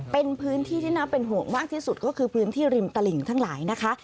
เป็นพื้นที่ที่น่าเป็นห่วงมากที่สุดก็คือพื้นที่ริมตลิ่งทั้งหลายนะคะ